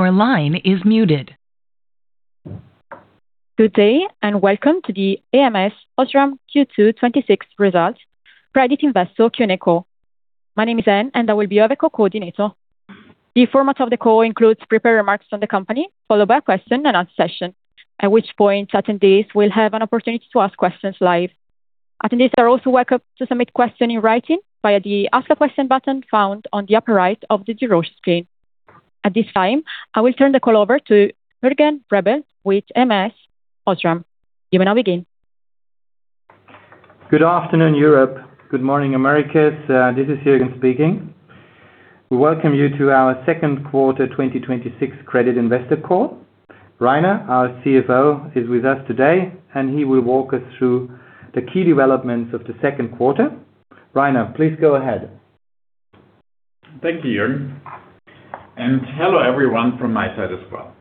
Good day, and welcome to the ams OSRAM Q2 2026 Results Credit Investor Q&A Call. My name is Anne, and I will be your eco coordinator. The format of the call includes prepared remarks from the company, followed by a question and answer session, at which point attendees will have an opportunity to ask questions live. Attendees are also welcome to submit questions in writing via the Ask a Question button found on the upper right of the screen. At this time, I will turn the call over to Jürgen Rebel with ams OSRAM. You may now begin. Good afternoon, Europe. Good morning, Americas. This is Jürgen speaking. We welcome you to our second quarter 2026 credit investor call. Rainer, our CFO, is with us today, and he will walk us through the key developments of the second quarter. Rainer, please go ahead. Thank you, Jürgen, and hello everyone from my side as well.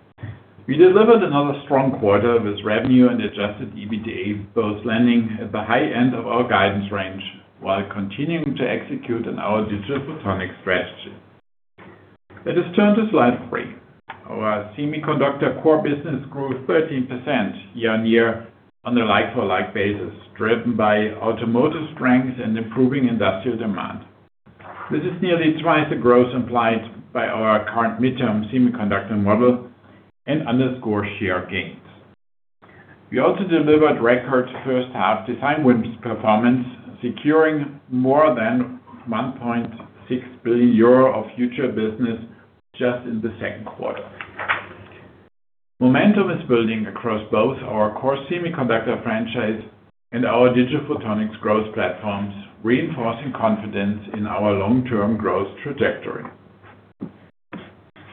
We delivered another strong quarter with revenue and adjusted EBITDA both landing at the high end of our guidance range while continuing to execute on our Digital Photonics strategy. Let us turn to slide three. Our semiconductor core business grew 13% year-on-year on a like-for-like basis, driven by automotive strength and improving industrial demand. This is nearly twice the growth implied by our current midterm semiconductor model and underscores share gains. We also delivered record first half design wins performance, securing more than 1.6 billion euro of future business just in the second quarter. Momentum is building across both our core semiconductor franchise and our Digital Photonics growth platforms, reinforcing confidence in our long-term growth trajectory.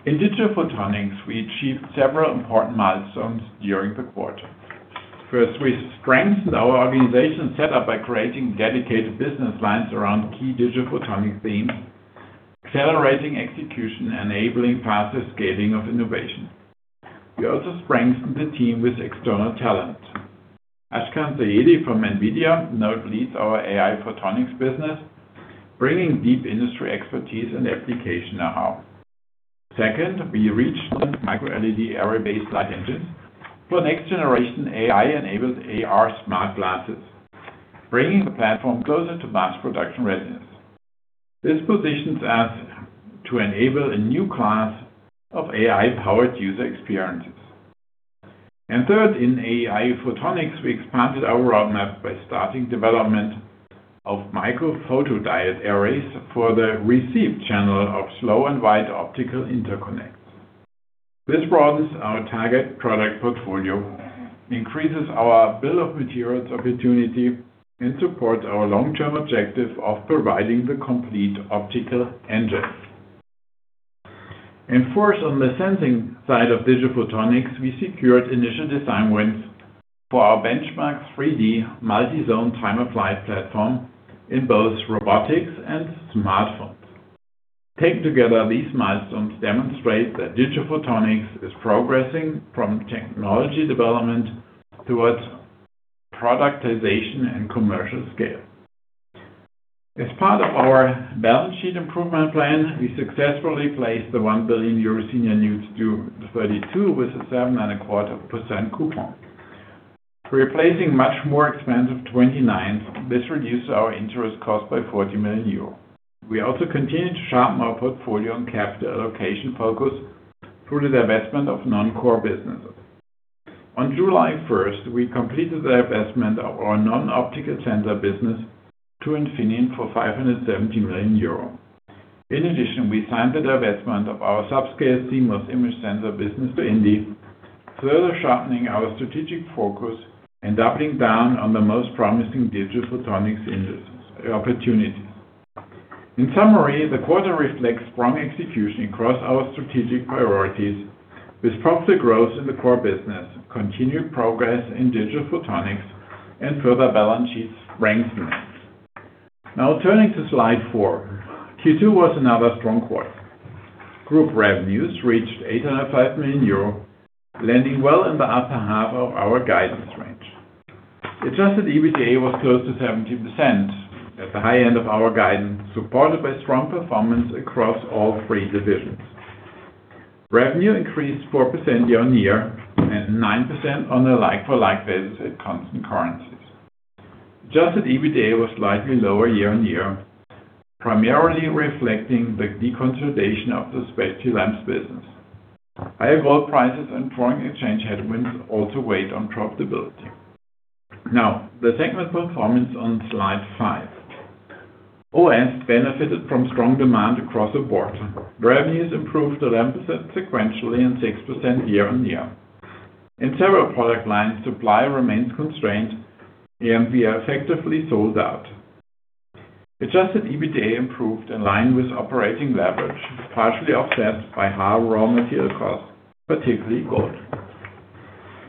In Digital Photonics, we achieved several important milestones during the quarter. First, we strengthened our organization setup by creating dedicated business lines around key Digital Photonics themes, accelerating execution, enabling faster scaling of innovation. We also strengthened the team with external talent. Ashkan Seyedi from NVIDIA now leads our AI Photonics business, bringing deep industry expertise and application know-how. Second, we reached microLED array-based light engines for next generation AI-enabled AR smart glasses, bringing the platform closer to mass production resonance. This positions us to enable a new class of AI-powered user experiences. Third, in AI Photonics, we expanded our roadmap by starting development of micro-photodiode arrays for the receive channel of slow and wide optical interconnects. This broadens our target product portfolio, increases our bill of materials opportunity, and supports our long-term objective of providing the complete optical engines. Fourth, on the sensing side of Digital Photonics, we secured initial design wins for our benchmark 3D multi-zone time of flight platform in both robotics and smartphones. Taken together, these milestones demonstrate that Digital Photonics is progressing from technology development towards productization and commercial scale. As part of our balance sheet improvement plan, we successfully placed the 1 billion euro senior notes due 2032 with a 7.25% coupon. Replacing much more expensive 2029s, this reduces our interest cost by 40 million euros. We also continue to sharpen our portfolio and capital allocation focus through the divestment of non-core businesses. On July 1st, we completed the divestment of our non-optical sensor business to Infineon for 570 million euro. In addition, we signed the divestment of our subscale CMOS image sensor business to Indie, further sharpening our strategic focus and doubling down on the most promising Digital Photonics opportunities. In summary, the quarter reflects strong execution across our strategic priorities with proper growth in the core business, continued progress in Digital Photonics, and further balance sheet strengthening. Now turning to slide four. Q2 was another strong quarter. Group revenues reached 805 million euro, landing well in the upper half of our guidance range. Adjusted EBITDA was close to 17%, at the high end of our guidance, supported by strong performance across all three divisions. Revenue increased 4% year-on-year and 9% on a like-for-like basis at constant currencies. Adjusted EBITDA was slightly lower year-on-year, primarily reflecting the deconsolidation of the specialty lamps business. Higher oil prices and foreign exchange headwinds also weighed on profitability. Now, the segment performance on Slide five. OS benefited from strong demand across the board. Revenues improved 11% sequentially and 6% year-on-year. In several product lines, supply remains constrained, and we are effectively sold out. Adjusted EBITDA improved in line with operating leverage, partially offset by higher raw material costs, particularly gold.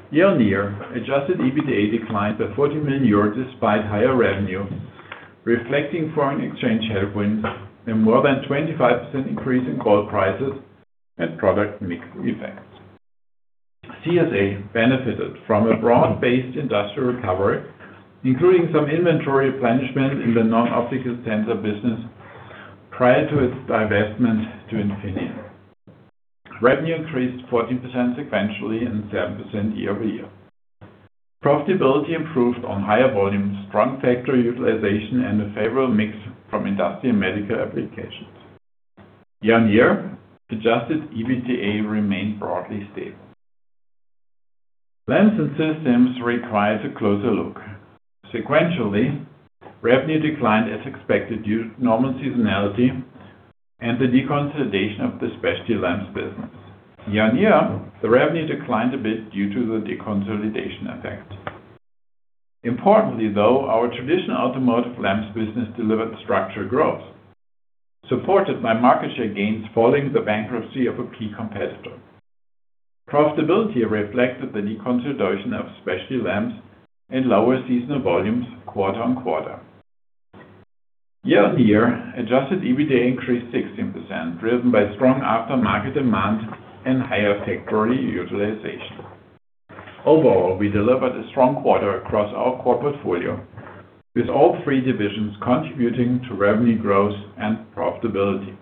Year-on-year, adjusted EBITDA declined by 40 million euros despite higher revenue, reflecting foreign exchange headwinds and more than 25% increase in gold prices and product mix effects. CSA benefited from a broad-based industrial recovery, including some inventory replenishment in the non-optical sensor business prior to its divestment to Infineon. Revenue increased 14% sequentially and 7% year-over-year. Profitability improved on higher volumes, strong factory utilization, and a favorable mix from industrial medical applications. Year-on-year, adjusted EBITDA remained broadly stable. Lamps and Systems requires a closer look. Sequentially, revenue declined as expected due to normal seasonality and the deconsolidation of the specialty lamps business. Year-on-year, the revenue declined a bit due to the deconsolidation effect. Importantly, though, our traditional automotive lamps business delivered structural growth, supported by market share gains following the bankruptcy of a key competitor. Profitability reflected the deconsolidation of specialty lamps and lower seasonal volumes quarter-on-quarter. Year-on-year, adjusted EBITDA increased 16%, driven by strong aftermarket demand and higher factory utilization. Overall, we delivered a strong quarter across our core portfolio, with all three divisions contributing to revenue growth and profitability.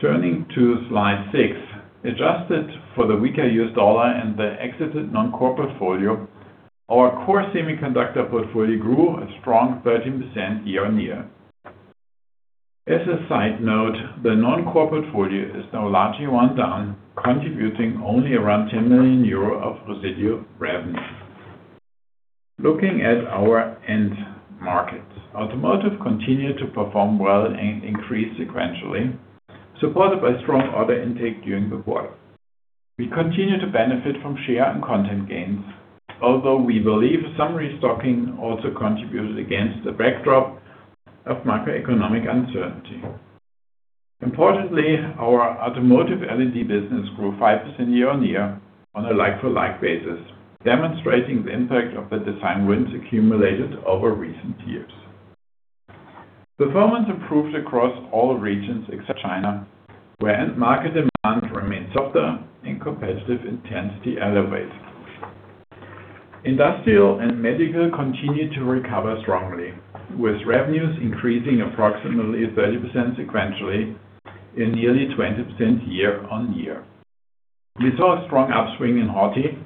Turning to slide six. Adjusted for the weaker U.S. dollar and the exited non-core portfolio, our core semiconductor portfolio grew a strong 13% year-on-year. As a side note, the non-core portfolio is now largely wound down, contributing only around 10 million euro of residual revenue. Looking at our end markets, automotive continued to perform well and increased sequentially, supported by strong order intake during the quarter. We continue to benefit from share and content gains, although we believe some restocking also contributed against the backdrop of macroeconomic uncertainty. Importantly, our automotive LED business grew 5% year-on-year on a like-for-like basis, demonstrating the impact of the design wins accumulated over recent years. Performance improved across all regions except China, where end market demand remained softer and competitive intensity elevates. Industrial and medical continued to recover strongly, with revenues increasing approximately 30% sequentially and nearly 20% year-on-year. We saw a strong upswing in HoReCa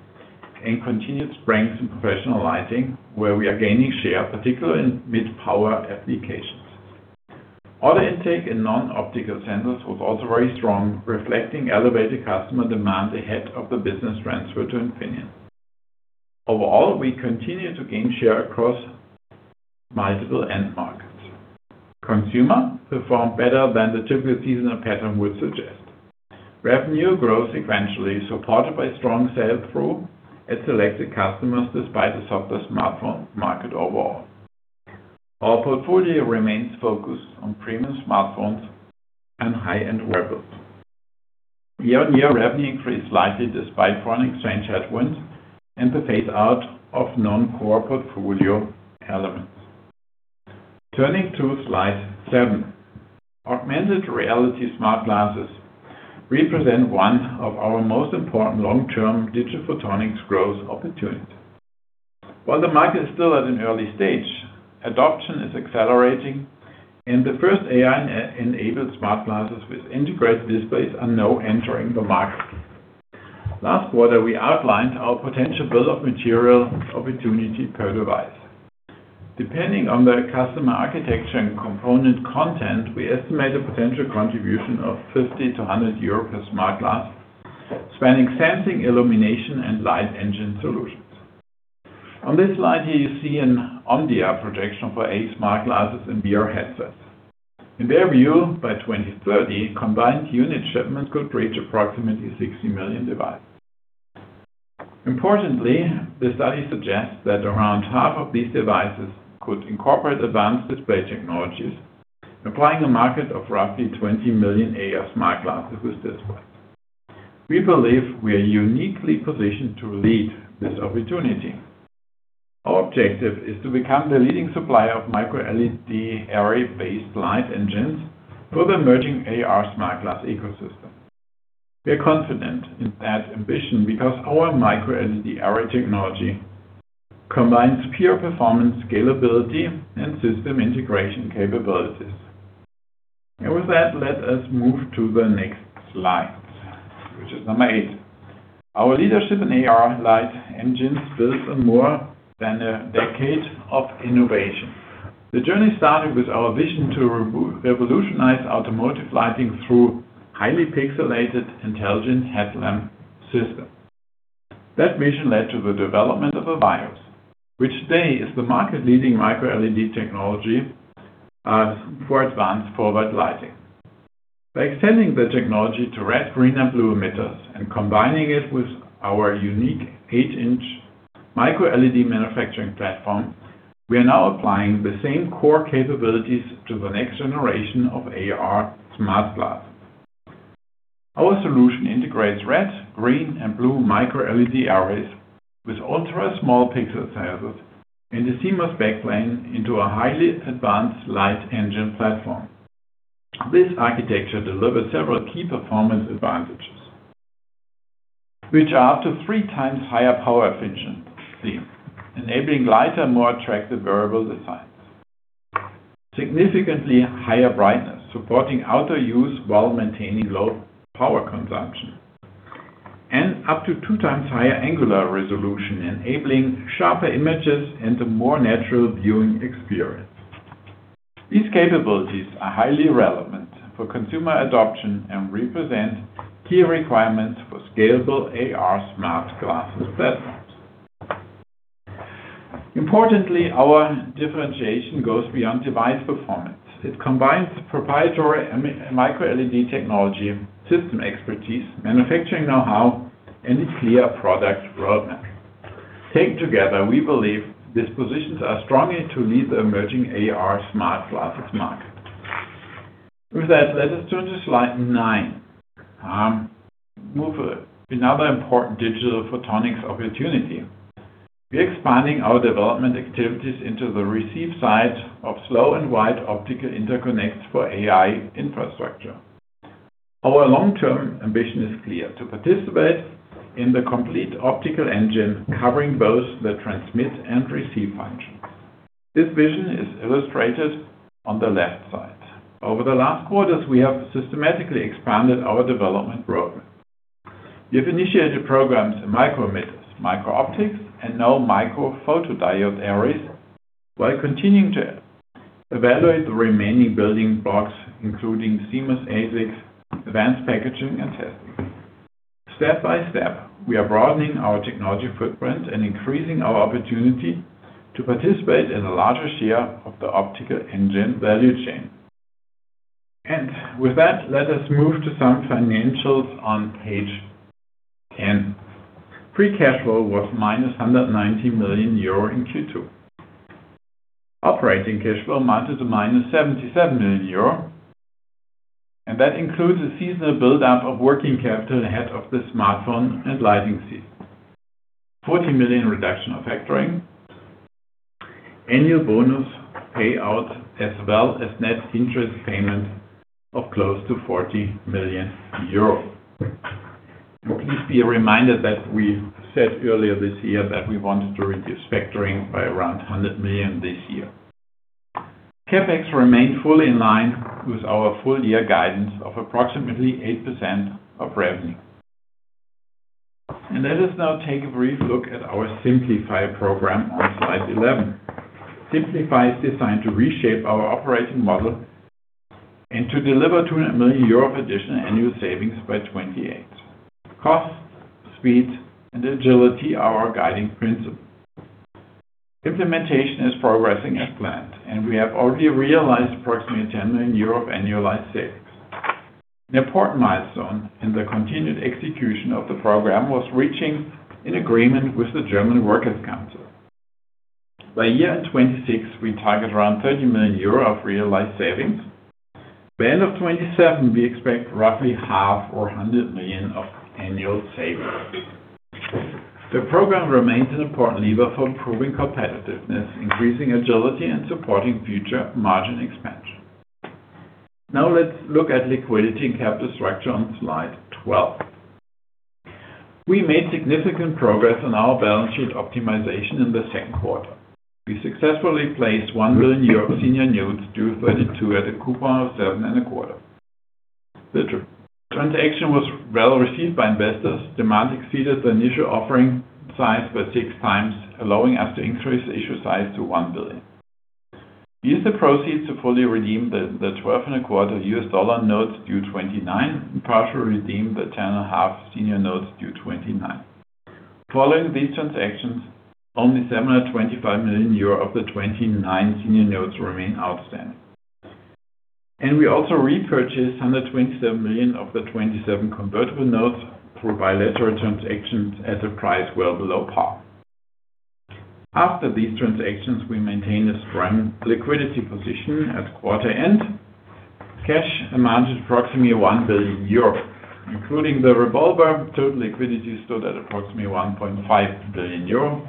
and continued strength in professional lighting, where we are gaining share, particularly in mid-power applications. Order intake in non-optical centers was also very strong, reflecting elevated customer demand ahead of the business transfer to Infineon. Overall, we continue to gain share across multiple end markets. Consumer performed better than the typical seasonal pattern would suggest. Revenue growth sequentially, supported by strong sell-through at selected customers despite the softer smartphone market overall. Our portfolio remains focused on premium smartphones and high-end wearables. Year-on-year revenue increased slightly despite foreign exchange headwinds and the phase-out of non-core portfolio elements. Turning to slide seven. Augmented reality smart glasses represent one of our most important long-term Digital Photonics growth opportunities. While the market is still at an early stage, adoption is accelerating, and the first AI-enabled smart glasses with integrated displays are now entering the market. Last quarter, we outlined our potential bill of material opportunity per device. Depending on the customer architecture and component content, we estimate a potential contribution of 50-100 euro per smart glass, spanning sensing, illumination, and light engine solutions. On this slide here, you see an Omdia projection for AR smart glasses and VR headsets. In their view, by 2030, combined unit shipments could reach approximately 60 million devices. Importantly, the study suggests that around half of these devices could incorporate advanced display technologies, implying a market of roughly 20 million AR smart glasses with displays. We believe we are uniquely positioned to lead this opportunity. Our objective is to become the leading supplier of microLED array-based light engines for the emerging AR smart glass ecosystem. We are confident in that ambition because our microLED array technology combines pure performance scalability and system integration capabilities. With that, let us move to the next slide, which is number eight. Our leadership in AR light engines builds on more than a decade of innovation. The journey started with our vision to revolutionize automotive lighting through highly pixelated intelligent headlamp systems. That vision led to the development of EVIYOS, which today is the market-leading microLED technology for advanced forward lighting. By extending the technology to red, green, and blue emitters and combining it with our unique 8 in microLED manufacturing platform, we are now applying the same core capabilities to the next generation of AR smart glass. Our solution integrates red, green, and blue microLED arrays with ultra-small pixel sizes and a seamless back plane into a highly advanced light engine platform. This architecture delivers several key performance advantages, which are up to 3x higher power efficiency, enabling lighter, more attractive wearable designs. Significantly higher brightness, supporting outdoor use while maintaining low power consumption, and up to 2x higher angular resolution, enabling sharper images and a more natural viewing experience. These capabilities are highly relevant for consumer adoption and represent key requirements for scalable AR smart glasses platforms. Importantly, our differentiation goes beyond device performance. It combines proprietary microLED technology, system expertise, manufacturing know-how, and a clear product roadmap. Taken together, we believe this positions us strongly to lead the emerging AR smart glasses market. With that, let us turn to slide nine. Move to another important Digital Photonics opportunity. We are expanding our development activities into the receive side of slow and wide optical interconnects for AI infrastructure. Our long-term ambition is clear: to participate in the complete optical engine, covering both the transmit and receive functions. This vision is illustrated on the left side. Over the last quarters, we have systematically expanded our development roadmap. We have initiated programs in micro emitters, micro optics, and now micro-photodiode arrays, while continuing to evaluate the remaining building blocks, including seamless ASICs, advanced packaging, and testing. Step by step, we are broadening our technology footprint and increasing our opportunity to participate in a larger share of the optical engine value chain. With that, let us move to some financials on page 10. Free cash flow was -190 million euro in Q2. Operating cash flow amounted to -77 million euro, and that includes a seasonal buildup of working capital ahead of the smartphone and lighting season. 40 million reduction of factoring, annual bonus payout, as well as net interest payment of close to 40 million euros. Please be reminded that we said earlier this year that we wanted to reduce factoring by around 100 million this year. CapEx remained fully in line with our full-year guidance of approximately 8% of revenue. Let us now take a brief look at our Simplify program on slide 11. Simplify is designed to reshape our operating model and to deliver 200 million euro of additional annual savings by 2028. Cost, speed, and agility are our guiding principle. Implementation is progressing as planned, and we have already realized approximately 10 million euro of annualized savings. An important milestone in the continued execution of the program was reaching an agreement with the German Works Council. By year-end 2026, we target around 30 million euro of realized savings. By end of 2027, we expect roughly half or 100 million of annual savings. The program remains an important lever for improving competitiveness, increasing agility, and supporting future margin expansion. Let's look at liquidity and capital structure on slide 12. We made significant progress on our balance sheet optimization in the second quarter. We successfully placed 1 billion euro of senior notes due 2032 at a coupon of seven and a quarter. The transaction was well received by investors. Demand exceeded the initial offering size by 6x, allowing us to increase the issue size to 1 billion. We used the proceeds to fully redeem the 12.25 notes due 2029 and partially redeem the 10.5 senior notes due 2029. Following these transactions, only 725 million euro of the 2029 senior notes remain outstanding. We also repurchased 127 million of the 2027 convertible notes through bilateral transactions at a price well below par. After these transactions, we maintained a strong liquidity position at quarter end. Cash amounted approximately 1 billion euro. Including the revolver, total liquidity stood at approximately 1.5 billion euro.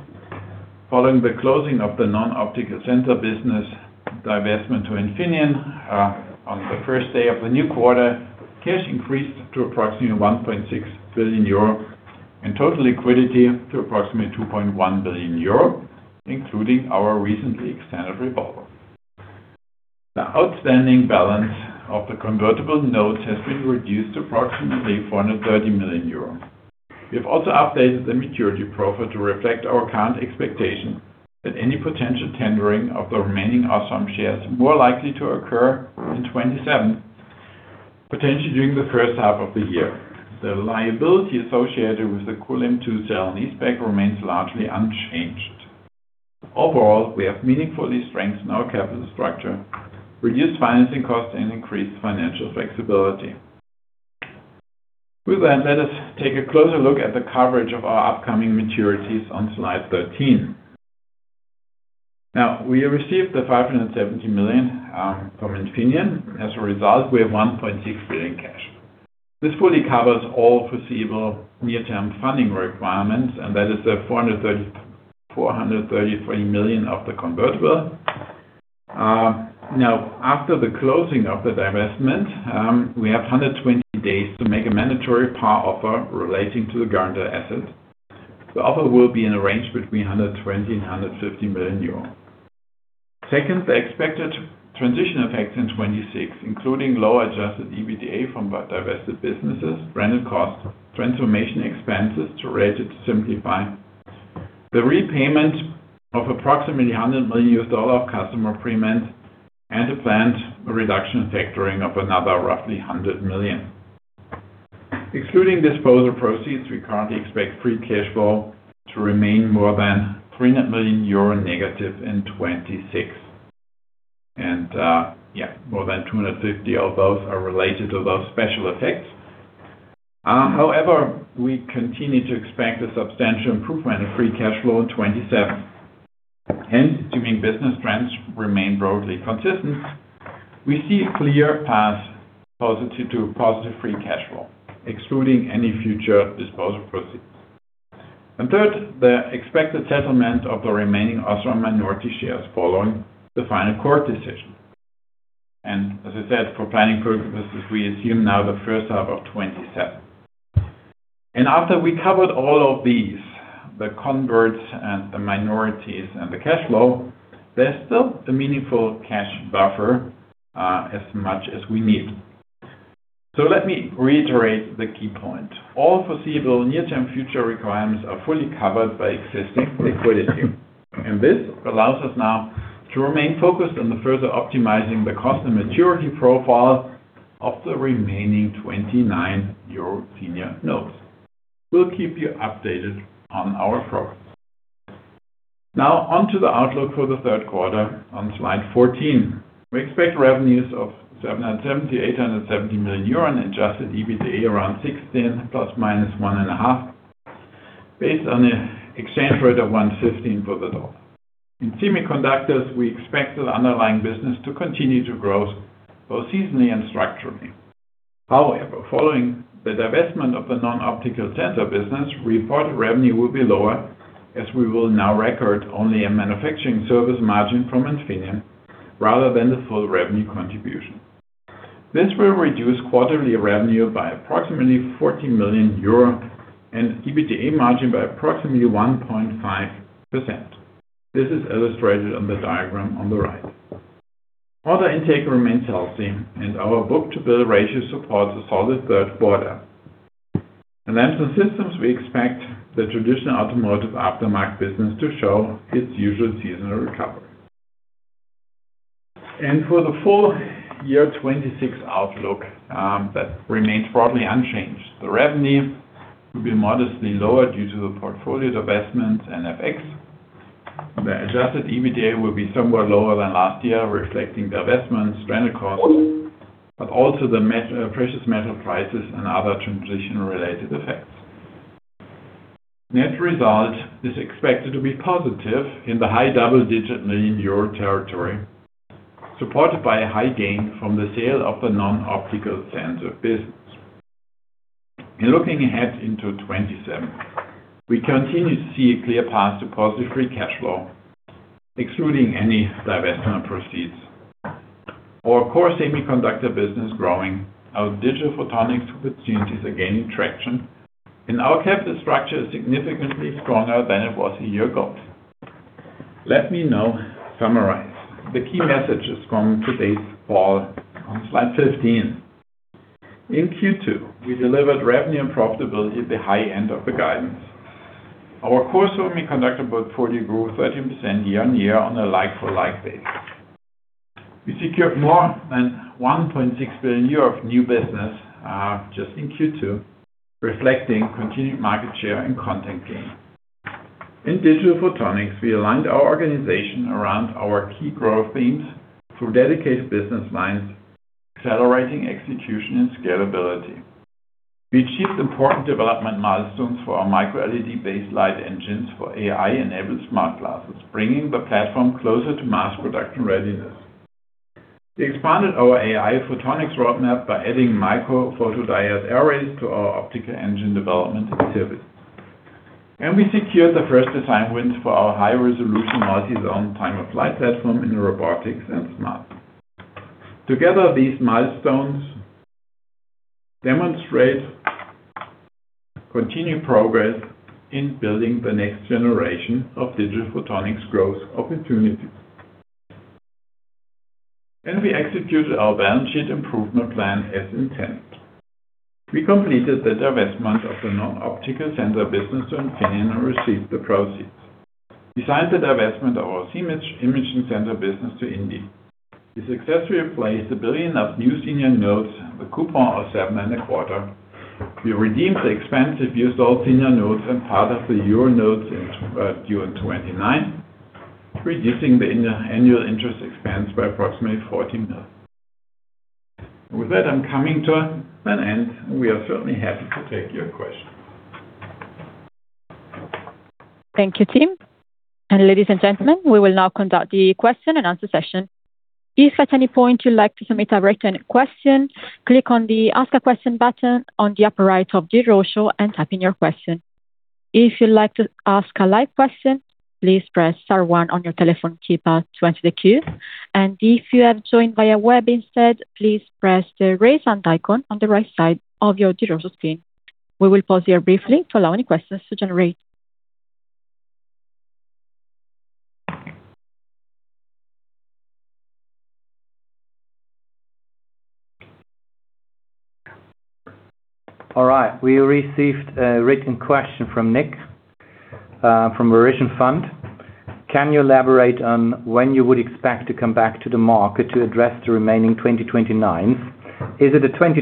Following the closing of the Non-optical Center business Divestment to Infineon on the first day of the new quarter. Cash increased to approximately 1.6 billion euro and total liquidity to approximately 2.1 billion euro, including our recently extended revolver. The outstanding balance of the convertible notes has been reduced to approximately 430 million euros. We have also updated the maturity profile to reflect our current expectation that any potential tendering of the remaining Osram shares more likely to occur in 2027, potentially during the first half of the year. The liability associated with the Kulim II sale and leaseback remains largely unchanged. Overall, we have meaningfully strengthened our capital structure, reduced financing costs, and increased financial flexibility. With that, let us take a closer look at the coverage of our upcoming maturities on slide 13. We have received the 570 million from Infineon. As a result, we have 1.6 billion cash. This fully covers all foreseeable near-term funding requirements, that is the 433 million of the convertible. After the closing of the divestment, we have 120 days to make a mandatory par offer relating to the guarantee asset. The offer will be in a range between 120 million-150 million euros. Second, the expected transition effects in 2026, including low adjusted EBITDA from divested businesses, rental costs, transformation expenses related to Simplify. The repayment of approximately EUR 100 million of customer pre-payments, a planned reduction factoring of another roughly 100 million. Excluding disposal proceeds, we currently expect free cash flow to remain more than -300 million euro in 2026. More than 250 million of those are related to those special effects. However, we continue to expect a substantial improvement of free cash flow in 2027. Hence, assuming business trends remain broadly consistent, we see a clear path to positive free cash flow, excluding any future disposal proceeds. Third, the expected settlement of the remaining Osram minority shares following the final court decision. As I said, for planning purposes, we assume now the first half of 2027. After we covered all of these, the converts and the minorities and the cash flow, there is still the meaningful cash buffer as much as we need. Let me reiterate the key point. All foreseeable near-term future requirements are fully covered by existing liquidity. This allows us now to remain focused on the further optimizing the cost and maturity profile of the remaining 2029 senior notes. We will keep you updated on our progress. On to the outlook for the third quarter on slide 14. We expect revenues of 770 million-870 million euro and adjusted EBITDA around 16% ±1.5%, based on an exchange rate of 1.15 for the dollar. In Semiconductors, we expect the underlying business to continue to grow both seasonally and structurally. However, following the divestment of the non-optical sensor business, reported revenue will be lower as we will now record only a manufacturing service margin from Infineon rather than the full revenue contribution. This will reduce quarterly revenue by approximately 40 million euro and EBITDA margin by approximately 1.5%. This is illustrated on the diagram on the right. Order intake remains healthy, and our book-to-bill ratio supports a solid third quarter. In Lamps and Systems, we expect the traditional automotive aftermarket business to show its usual seasonal recovery. For the full year 2026 outlook, that remains broadly unchanged. The revenue will be modestly lower due to the portfolio divestments and FX. The adjusted EBITDA will be somewhat lower than last year, reflecting the divestments, rental costs, but also the precious metal prices and other transition-related effects. Net result is expected to be positive in the high double-digit million EUR territory, supported by a high gain from the sale of the non-optical sensor business. Looking ahead into 2027, we continue to see a clear path to positive free cash flow, excluding any divestment proceeds. Our core semiconductor book fully grew 13% year-over-year on a like-for-like basis. We secured more than 1.6 billion euro of new business just in Q2, reflecting continued market share and content gain. In Digital Photonics, we aligned our organization around our key growth themes through dedicated business lines, accelerating execution and scalability. We achieved important development milestones for our microLED-based light engines for AI-enabled smart glasses, bringing the platform closer to mass production readiness. We expanded our AI Photonics roadmap by adding micro-photodiode arrays to our optical engine development activities. We secured the first design win for our high-resolution multi-zone time of flight platform in robotics and smart homes. Together, these milestones demonstrate continued progress in building the next generation of Digital Photonics growth opportunities. We executed our balance sheet improvement plan as intended. We completed the divestment of the non-optical sensor business to Infineon and received the proceeds. We signed the divestment of our imaging sensor business to Indie Semiconductor. We successfully placed 1 billion of new senior notes with a coupon of 7.25%. We redeemed the expensive years old senior notes and part of the EUR notes in June 2029, reducing the annual interest expense by approximately 14 million. With that, I'm coming to an end. We are certainly happy to take your questions. Thank you, team. Ladies and gentlemen, we will now conduct the question and answer session. If at any point you'd like to submit a written question, click on the Ask a Question button on the upper right of your show and type in your question. If you'd like to ask a live question, please press star one on your telephone keypad to enter the queue. If you have joined via web instead, please press the raise hand icon on the right side of your screen. We will pause here briefly to allow any questions to generate. All right. We received a written question from Nick from Meriton Fund. Can you elaborate on when you would expect to come back to the market to address the remaining 2029s? Is it a September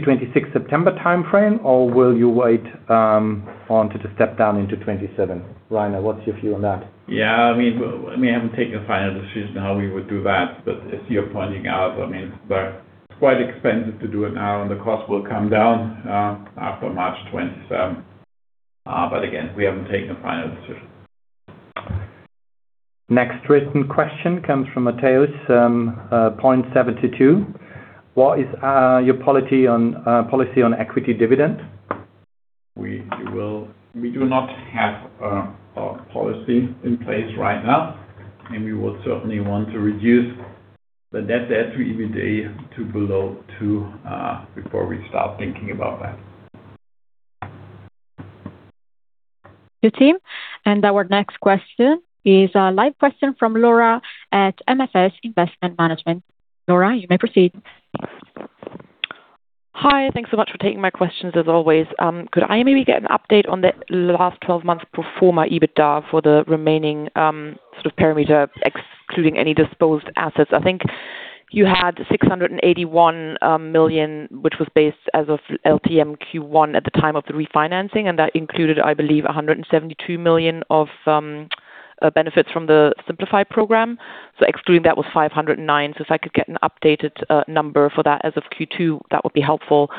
2026 timeframe, or will you wait on to the step down into 2027? Rainer, what's your view on that? Yeah, we haven't taken a final decision on how we would do that. As you're pointing out, it's quite expensive to do it now, the cost will come down after March 2027. Again, we haven't taken a final decision. Next written question comes from Matheus, Point72. What is your policy on equity dividend? We do not have a policy in place right now, we will certainly want to reduce the debt-to-EBITDA to below two before we start thinking about that. Thank you, team. Our next question is a live question from Laura at MFS Investment Management. Laura, you may proceed. Hi. Thanks so much for taking my questions as always. Could I maybe get an update on the last 12 months pro forma EBITDA for the remaining sort of parameter, excluding any disposed assets? I think you had 681 million, which was based as of LTMQ1 at the time of the refinancing, that included, I believe, 172 million of benefits from the Simplify program. Excluding that, was 509. If I could get an updated number for that as of Q2, that would be helpful.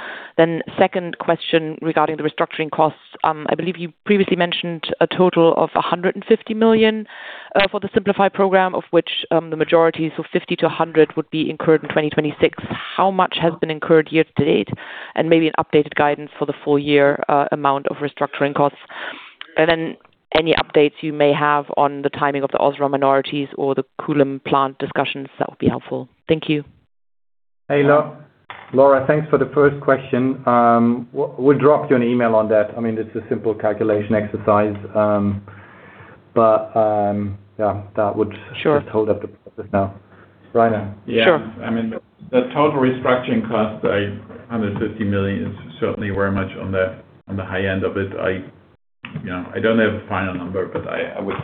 Second question regarding the restructuring costs. I believe you previously mentioned a total of 150 million for the Simplify program, of which the majority, 50-100 would be incurred in 2026. How much has been incurred year to date? Maybe an updated guidance for the full year amount of restructuring costs. Any updates you may have on the timing of the OSRAM minorities or the Kulim plant discussions, that would be helpful. Thank you. Hey, Laura. Thanks for the first question. We'll drop you an email on that. It's a simple calculation exercise. Sure. Just hold up the process now, Rainer. Sure. The total restructuring cost, 150 million is certainly very much on the high end of it. I don't have a final number, but I would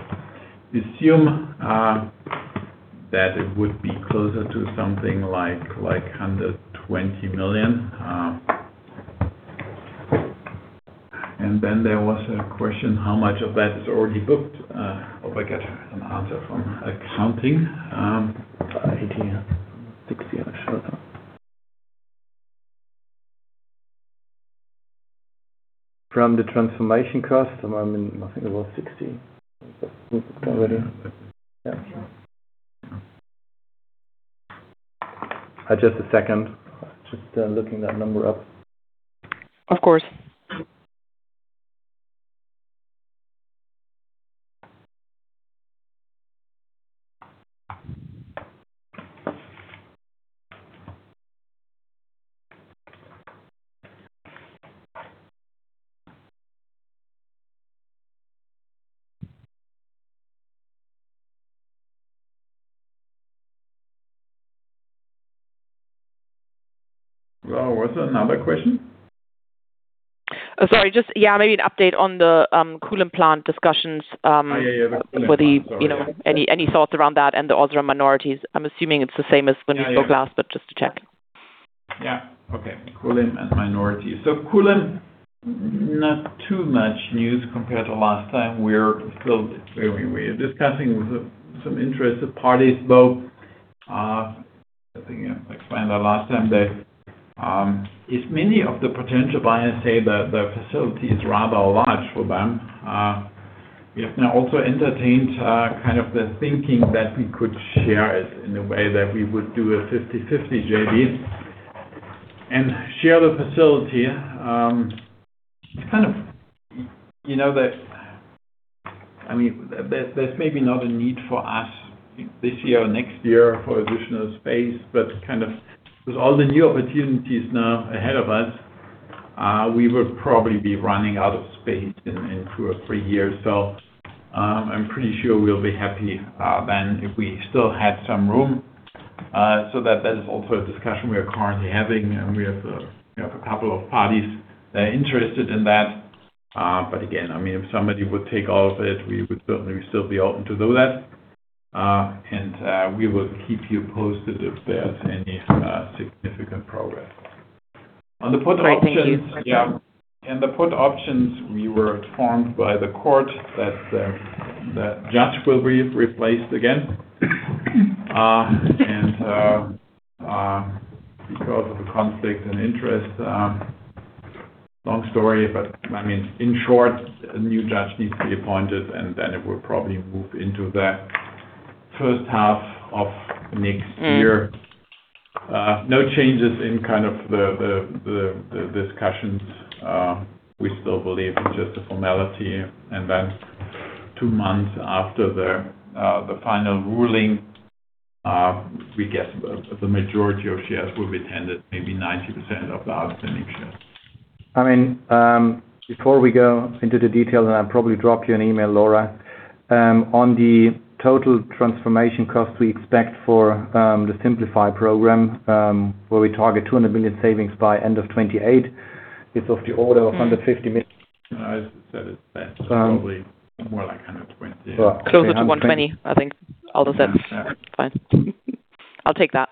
assume that it would be closer to something like 120 million. There was a question how much of that is already booked. Hope I get an answer from accounting. EUR 80 million or EUR 60 million, I forgot. From the transformation cost, I think it was 60 million booked already. Just a second. Just looking that number up. Of course. Laura, was there another question? Sorry, just maybe an update on the Kulim plant discussions. Any thoughts around that and the OSRAM minorities? I'm assuming it's the same as when we spoke last, just to check. Yeah. Okay. Kulim and minorities. Kulim, not too much news compared to last time. We're discussing with some interested parties both. I think I explained that last time that if many of the potential buyers say the facility is rather large for them, we have now also entertained kind of the thinking that we could share it in a way that we would do a 50/50 JV. Share the facility. There's maybe not a need for us this year or next year for additional space, but with all the new opportunities now ahead of us, we will probably be running out of space in two or three years. I'm pretty sure we'll be happy then if we still had some room. That is also a discussion we are currently having, and we have a couple of parties that are interested in that. Again, if somebody would take all of it, we would certainly still be open to do that. We will keep you posted if there's any significant progress. All right. Thank you. Yeah. In the put options, we were informed by the court that the judge will be replaced again, because of the conflict in interest. Long story, in short, a new judge needs to be appointed, then it will probably move into the first half of next year. No changes in the discussions. We still believe it's just a formality. Then two months after the final ruling, we guess the majority of shares will be tended, maybe 90% of the outstanding shares. Before we go into the details, I'll probably drop you an email, Laura, on the total transformation cost we expect for the 'Simplify' program, where we target 200 million savings by end of 2028. It's of the order of 150 million. I said it's probably more like 120 million. Closer to 120 million, I think, Aldo said. Fine. I'll take that.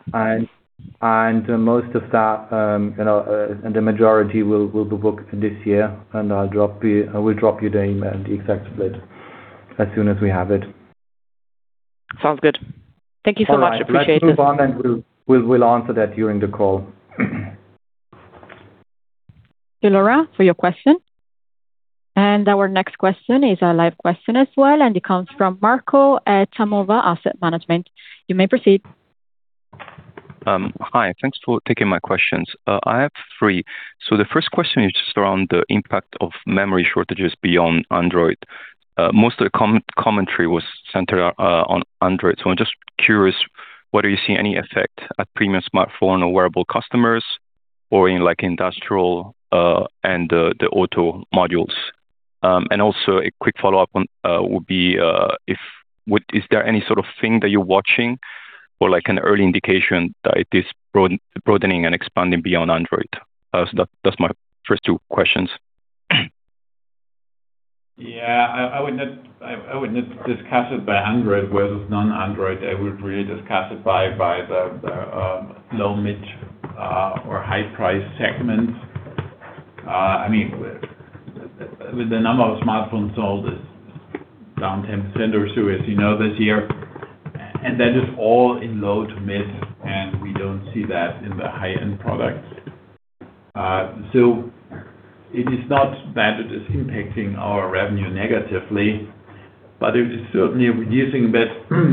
Most of that, and the majority will be booked this year, and I will drop you the email and the exact split as soon as we have it. Sounds good. Thank you so much. Appreciate it. All right. Let's move on, and we'll answer that during the call. Laura, for your question. Our next question is a live question as well, and it comes from Marco at Amova Asset Management. You may proceed. Hi, thanks for taking my questions. I have three. The first question is just around the impact of memory shortages beyond Android. Most of the commentary was centered on Android. I'm just curious whether you see any effect at premium smartphone or wearable customers, or in industrial and the auto modules. A quick follow-up would be, is there any sort of thing that you're watching or an early indication that it is broadening and expanding beyond Android? That's my first two questions. I would not discuss it by Android versus non-Android. I would really discuss it by the low, mid, or high price segments. The number of smartphones sold is down 10% or so as you know this year. That is all in low to mid, and we don't see that in the high-end products. It is not that it is impacting our revenue negatively, but it is certainly reducing a bit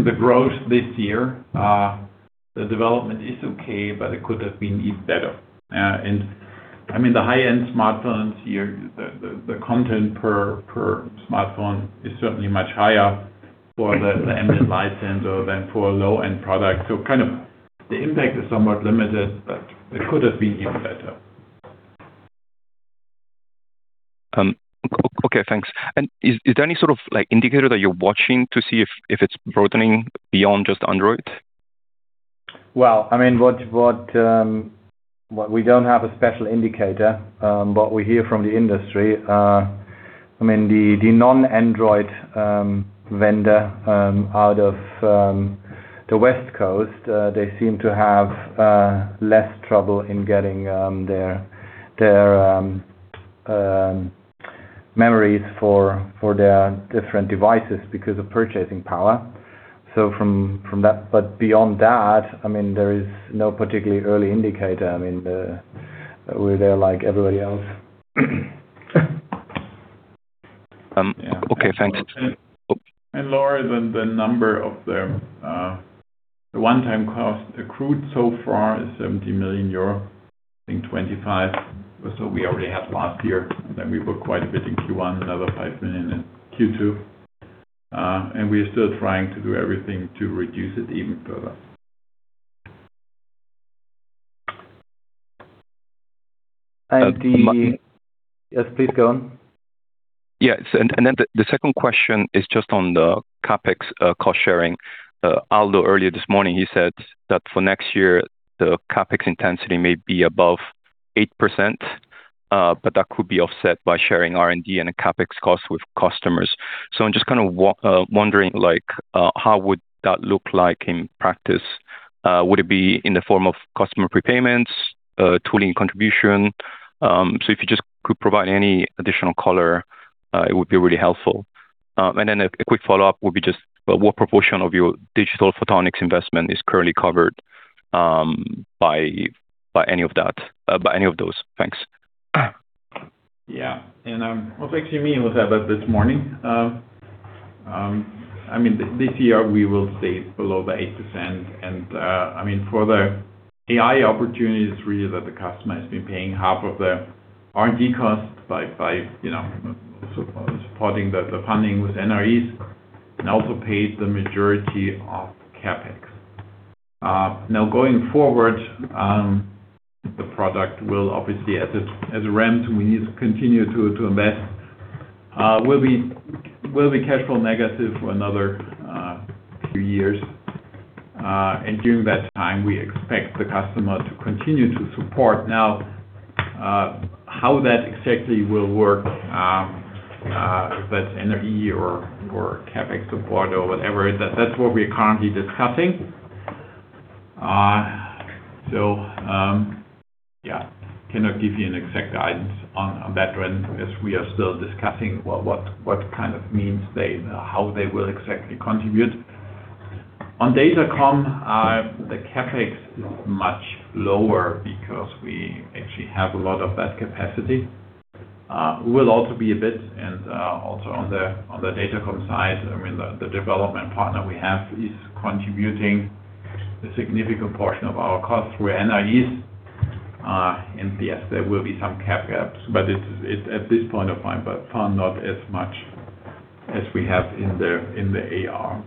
the growth this year. The development is okay, but it could have been even better. The high-end smartphones here, the content per smartphone is certainly much higher for the mmWave sensor than for a low-end product. The impact is somewhat limited, but it could have been even better. Okay. Thanks. Is there any sort of indicator that you're watching to see if it's broadening beyond just Android? Well, we don't have a special indicator. What we hear from the industry, the non-Android vendor out of the West Coast, they seem to have less trouble in getting their memories for their different devices because of purchasing power. From that. Beyond that, there is no particularly early indicator. We're there like everybody else. Okay. Thanks. Laura, the number of the one-time cost accrued so far is 70 million euro in 2025. We already had last year, then we put quite a bit in Q1, another 5 million in Q2. We are still trying to do everything to reduce it even further. Yes, please go on. Yeah. The second question is just on the CapEx cost sharing. Aldo earlier this morning, he said that for next year, the CapEx intensity may be above 8%, but that could be offset by sharing R&D and CapEx cost with customers. I'm just kind of wondering how would that look like in practice? Would it be in the form of customer prepayments, tooling contribution? If you just could provide any additional color, it would be really helpful. A quick follow-up would be just what proportion of your Digital Photonics investment is currently covered by any of those? Thanks. Yeah. I was actually meeting with her about this morning. This year we will stay below the 8%. For the AI opportunities, really that the customer has been paying half of the R&D cost by supporting the funding with NREs and also paid the majority of CapEx. Going forward, the product will obviously, as a ramp, we need to continue to invest, will be cash flow negative for another few years. During that time, we expect the customer to continue to support. How that exactly will work, if that's NRE or CapEx support or whatever, that's what we are currently discussing. I cannot give you an exact guidance on that front as we are still discussing what kind of means how they will exactly contribute. On datacom, the CapEx is much lower because we actually have a lot of that capacity. We will also be a bit on the datacom side, the development partner we have is contributing a significant portion of our costs through NREs. Yes, there will be some CapEx, but at this point of time, by far not as much as we have in the AR.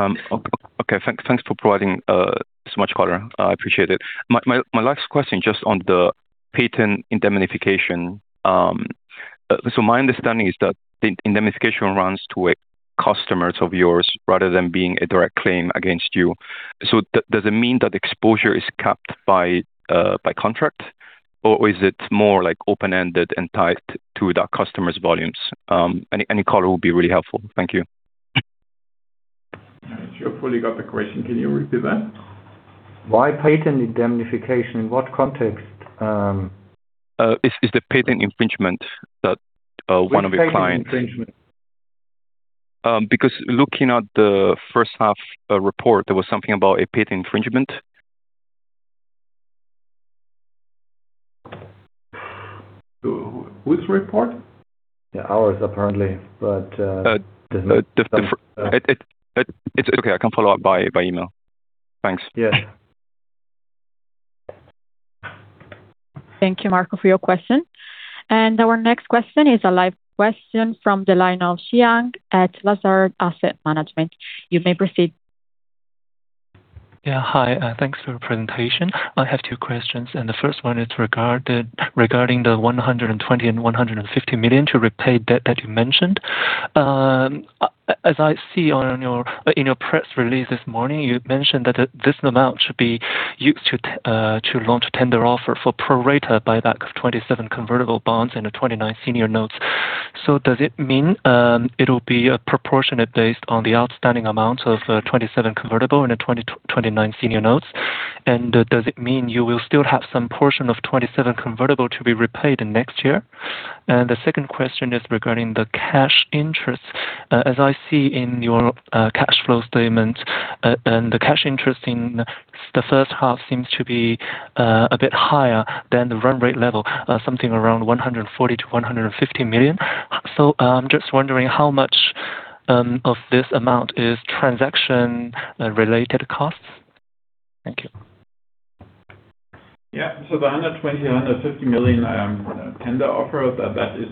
Okay. Thanks for providing so much color. I appreciate it. My last question, just on the patent indemnification. My understanding is that the indemnification runs to customers of yours rather than being a direct claim against you. Does it mean that exposure is capped by contract, or is it more open-ended and tied to the customers' volumes? Any color will be really helpful. Thank you. I sure fully got the question. Can you repeat that? Why patent indemnification? In what context? It's the patent infringement that one of your client. Which patent infringement? Looking at the first half report, there was something about a patent infringement. Which report? Yeah, ours apparently. It's okay. I can follow up by email. Thanks. Yeah. Thank you, Marco, for your question. Our next question is a live question from the line of Xiang at Lazard Asset Management. You may proceed. Hi, thanks for the presentation. I have two questions. The first one is regarding the 120 million and 150 million to repay debt that you mentioned. As I see in your press release this morning, you mentioned that this amount should be used to launch a tender offer for pro rata buyback of 2027 convertible bonds into 2029 senior notes. Does it mean it'll be proportionate based on the outstanding amount of 2027 convertible into 2029 senior notes? Does it mean you will still have some portion of 2027 convertible to be repaid in next year? The second question is regarding the cash interest. As I see in your cash flow statement, the cash interest in the first half seems to be a bit higher than the run rate level, something around 140 million-150 million. I'm just wondering how much of this amount is transaction-related costs. Thank you. The 120 million, 150 million tender offer, that is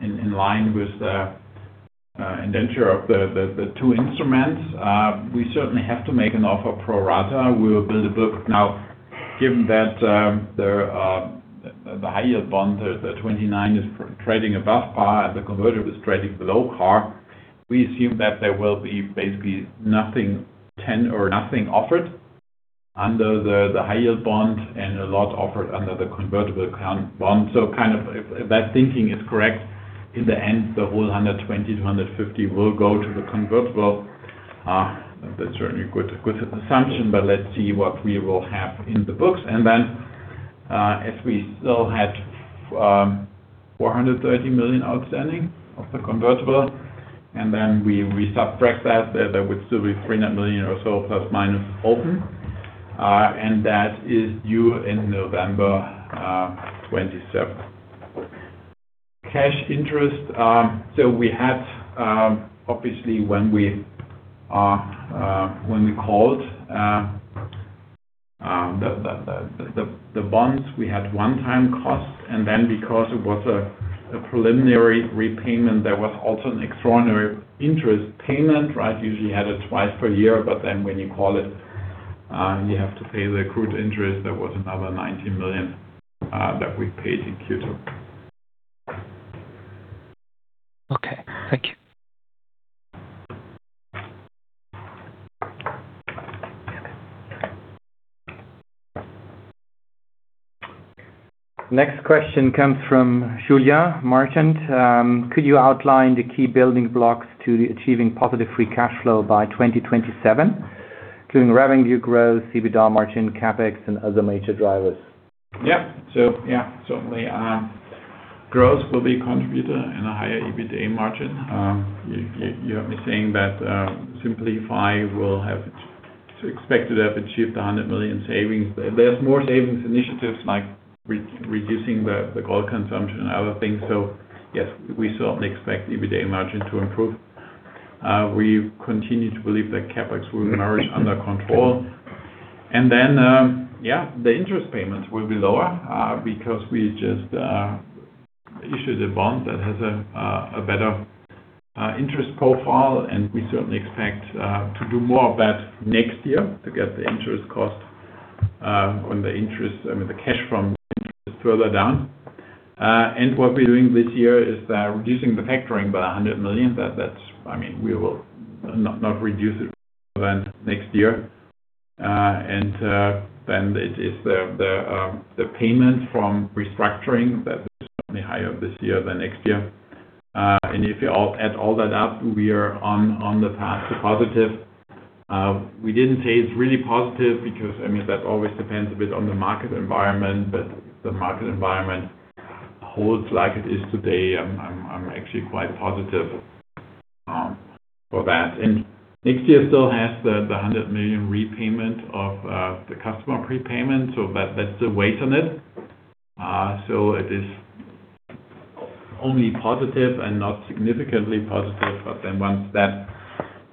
in line with the indenture of the two instruments. We certainly have to make an offer pro rata. We'll build a book now, given that the higher bond, the 2029 is trading above par and the convertible is trading below par. We assume that there will be basically nothing offered under the higher bond and a lot offered under the convertible bond. If that thinking is correct, in the end, the whole 120 million-150 million will go to the convertible. That's certainly a good assumption, but let's see what we will have in the books. If we still had 430 million outstanding of the convertible, then we subtract that, there would still be 300 million or so, plus, minus open. That is due in November 2027. Cash interest. We had, obviously, when we called the bonds, we had one-time cost, and because it was a preliminary repayment, there was also an extraordinary interest payment. Usually had it twice per year, but when you call it, you have to pay the accrued interest. That was another 90 million that we paid in Q2. Okay. Thank you. Next question comes from Julia Marchant. Could you outline the key building blocks to achieving positive free cash flow by 2027, including revenue growth, EBITDA margin, CapEx, and other major drivers? Yeah, certainly. Growth will be a contributor in a higher EBITDA margin. You have me saying that Simplify will expect to have achieved 100 million savings. There's more savings initiatives like reducing the gold consumption and other things. Yes, we certainly expect EBITDA margin to improve. We continue to believe that CapEx will emerge under control. Yeah, the interest payments will be lower because we just issued a bond that has a better interest profile and we certainly expect to do more of that next year to get the interest cost on the interest, I mean, the cash from interest further down. What we're doing this year is reducing the factoring by 100 million. We will not reduce it further than next year. It is the payment from restructuring that is certainly higher this year than next year. If you add all that up, we are on the path to positive. We didn't say it's really positive because that always depends a bit on the market environment, but the market environment holds like it is today. I'm actually quite positive for that. Next year still has the 100 million repayment of the customer prepayment, so that's the weight on it. It is only positive and not significantly positive. Once that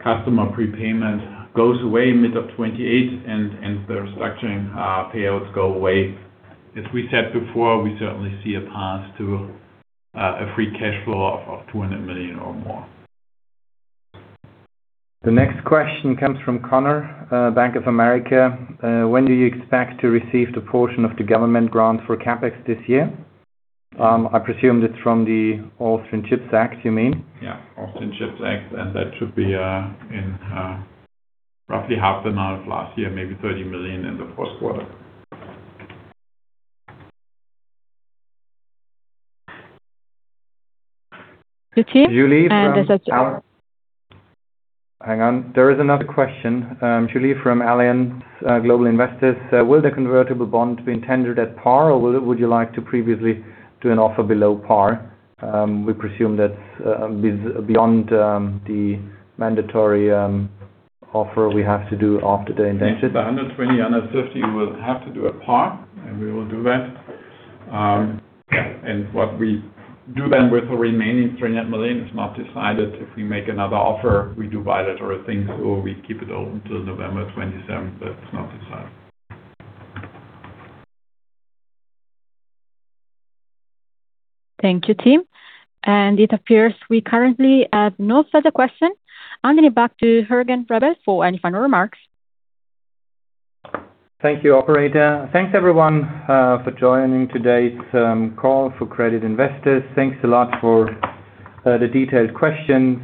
customer prepayment goes away mid-2028 and the restructuring payouts go away, as we said before, we certainly see a path to a free cash flow of 200 million or more. The next question comes from Connor, Bank of America. When do you expect to receive the portion of the government grant for CapEx this year? I presume it's from the Austrian Chips Act, you mean? Yeah. Austrian Chips Act, that should be in roughly half the amount of last year, maybe 30 million in the first quarter. Hang on. There is another question. Julie from Allianz Global Investors. Will the convertible bond be tendered at par, or would you like to previously do an offer below par? We presume that's beyond the mandatory offer we have to do after the index. The 120 million, 150 million, we'll have to do at par, we will do that. What we do then with the remaining 300 million is not decided. If we make another offer, we do buy that or a thing, so we keep it open till November 27th, but it's not decided. Thank you, Tim. It appears we currently have no further questions. Handing it back to Jürgen Rebel for any final remarks. Thank you, operator. Thanks, everyone, for joining today's call for credit investors. Thanks a lot for the detailed questions.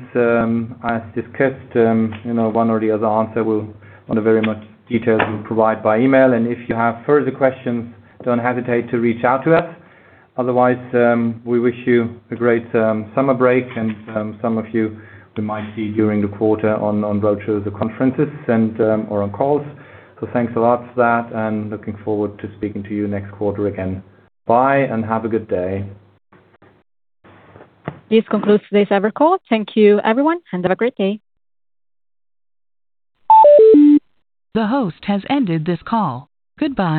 As discussed, one or the other answer we'll very much details we'll provide by email. If you have further questions, don't hesitate to reach out to us. Otherwise, we wish you a great summer break, and some of you we might see during the quarter on roadshows or conferences and/or on calls. Thanks a lot for that, and looking forward to speaking to you next quarter again. Bye and have a good day. This concludes today's cover call. Thank you everyone, and have a great day. The host has ended this call. Goodbye.